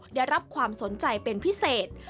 ได้รับความสนใจเป็นพิเศษ